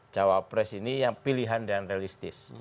cawapres ini yang pilihan dan realistis